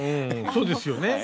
そうですよね。